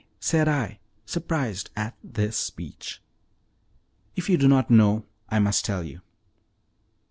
said I, surprised at this speech. "If you do not know I must tell you.